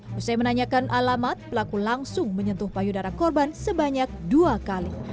setelah menanyakan alamat pelaku langsung menyentuh payudara korban sebanyak dua kali